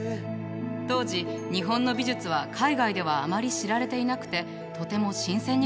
当時日本の美術は海外ではあまり知られていなくてとても新鮮に感じたんでしょうね。